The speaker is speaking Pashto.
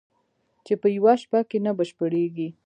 چې په یوه شپه کې نه بشپړېږي